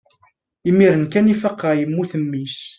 imir-n kan i faqeɣ yemmut mmi-s